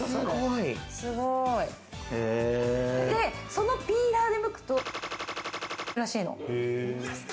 そのピーラーでむくと〇〇らしいの。